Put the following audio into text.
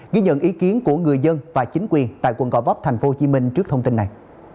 ghi nhận ý kiến của người dân và chính quyền tại quận gò vấp thành phố hồ chí minh trước thông tin này